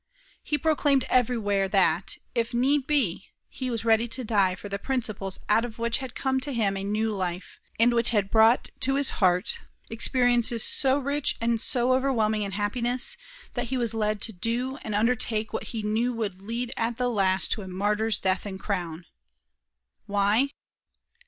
He proclaimed everywhere that, if need be, he was ready to die for the principles out of which had come to him a new life, and which had brought to his heart experiences so rich and so overwhelming in happiness, that he was led to do and undertake what he knew would lead at the last to a martyr's death and crown. Why?